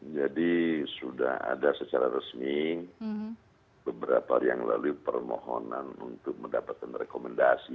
jadi sudah ada secara resmi beberapa hari yang lalu permohonan untuk mendapatkan rekomendasi